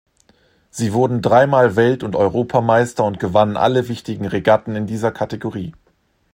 Sie wurden dreimal Welt- und Europameister und gewannen alle wichtigen Regatten in dieser Kategorie.